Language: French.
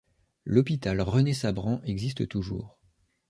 L’Hôpital Renée-Sabran existe toujours.